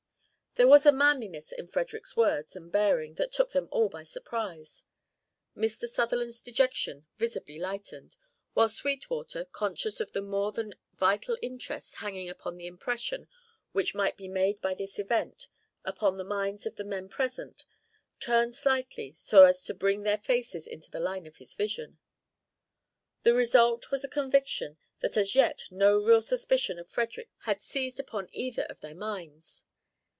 There was a manliness in Frederick's words and bearing that took them all by surprise. Mr. Sutherland's dejection visibly lightened, while Sweetwater, conscious of the more than vital interests hanging upon the impression which might be made by this event upon the minds of the men present, turned slightly so as to bring their faces into the line of his vision. The result was a conviction that as yet no real suspicion of Frederick had seized upon either of their minds.